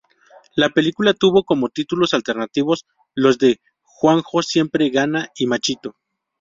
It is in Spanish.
La película tuvo como títulos alternativos los de Juanjo siempre gana y Machito.